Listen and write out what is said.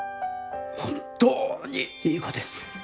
本当にいい子です。